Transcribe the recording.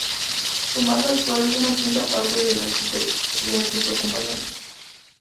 Su masa actual es una quinta parte de la de su acompañante.